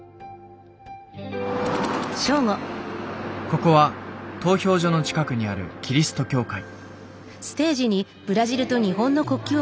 ここは投票所の近くにあるキリスト教会。